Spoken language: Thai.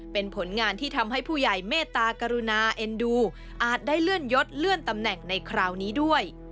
เป็นผลงานที่ทำให้ผู้ใหญ่เมตตากรุณาเอ็นดูอาจได้เลื่อนยศเลื่อนตำแหน่งในคราวนี้ด้วย